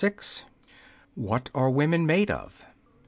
lOI WHAT ARE WOMEN MADE OF?